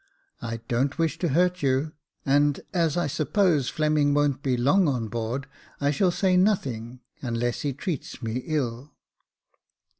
I don't wish to hurt you ; and as I suppose Fleming won't be long on board I shall say nothing, unless he treats me ill."